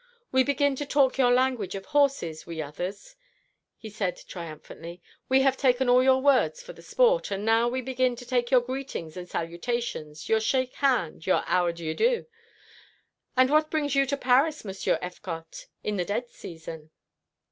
"We begin to talk your language of horses, we others," he said triumphantly. "We have taken all your words for the sport, and now we begin to take your greetings and salutations, your shake hand, your 'owderyoudo. And what brings you to Paris, Monsieur Effcott, at the dead season?"